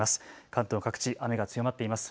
関東各地、雨が強まっています。